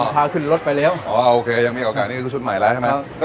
พาขึ้นรถไปแล้วอ๋อโอเคยังมีโอกาสนี้ก็คือชุดใหม่แล้วใช่ไหม